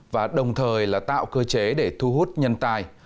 và đồng thời là tạo cơ chế để thu hút nhân tài